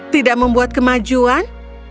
tidak membuat kemajuan